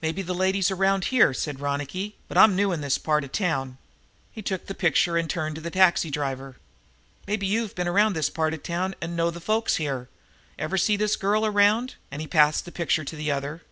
"Maybe the lady's around here," said Ronicky, "but I'm new in this part of town." He took the picture and turned to the taxi driver. "Maybe you've been around this part of town and know the folks here. Ever see this girl around?" And he passed the picture to the other.